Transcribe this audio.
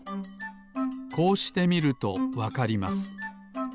こうしてみるとわかります。